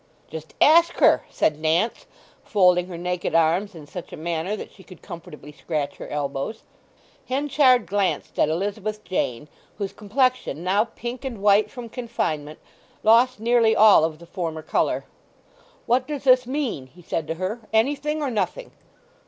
"Just ask her," said Nance, folding her naked arms in such a manner that she could comfortably scratch her elbows. Henchard glanced at Elizabeth Jane, whose complexion, now pink and white from confinement, lost nearly all of the former colour. "What does this mean?" he said to her. "Anything or nothing?"